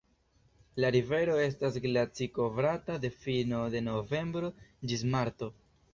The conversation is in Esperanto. La rivero estas glacikovrata de fino de novembro ĝis marto.